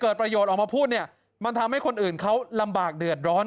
ประโยชน์ออกมาพูดเนี่ยมันทำให้คนอื่นเขาลำบากเดือดร้อน